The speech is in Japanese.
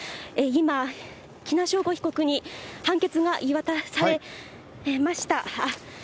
今、喜納尚吾被告に判決が言い渡されました。